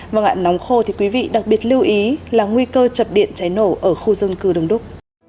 và ngạn nóng khô thì quý vị đặc biệt lưu ý là nguy cơ chập điện cháy nổ ở khu dân cư đông đúc